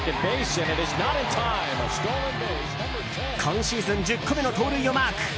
今シーズン１０個目の盗塁をマーク。